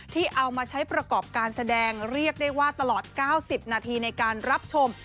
ที่เอามาใช้ประกอบการแสดงเรียกได้ว่าตลอด๙๐นาทีในการรับชม